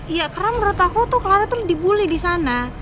iya karena menurut aku tuh clara tuh dibully disana